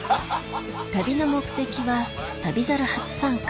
旅の目的は『旅猿』初参加